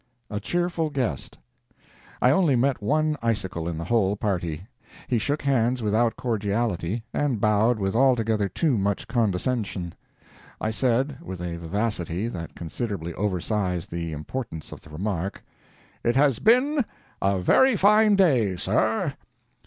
A CHEERFUL GUEST. I only met one icicle in the whole party. He shook hands without cordiality, and bowed with altogether too much condescension. I said, with a vivacity that considerably oversized the importance of the remark: "It has been a very fine day, sir."